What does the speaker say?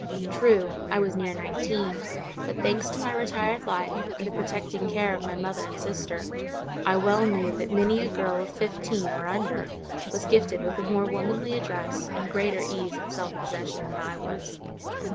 True, I was near nineteen; but, thanks to my retired life and the protecting care of my mother and sister, I well knew that many a girl of fifteen, or under, was gifted with a more womanly address, and greater ease and self possession, than I was.